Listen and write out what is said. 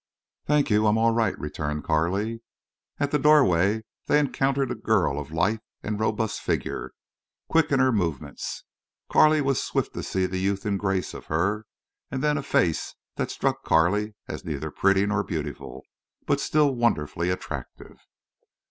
"Thank you; I'm all right," returned Carley. At the doorway they encountered a girl of lithe and robust figure, quick in her movements. Carley was swift to see the youth and grace of her; and then a face that struck Carley as neither pretty nor beautiful, but still wonderfully attractive.